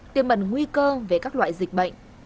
tiềm bẩn nguy cơ về các loại dịch bệnh